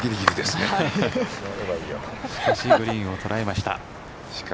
しかしグリーンを捉えました。